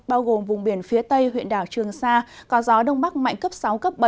bao gồm vùng biển phía tây huyện đảo trường sa có gió đông bắc mạnh cấp sáu cấp bảy